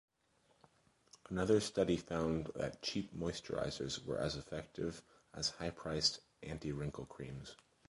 Another study found that cheap moisturisers were as effective as high-priced anti-wrinkle creams.